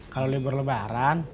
kalo libur lebaran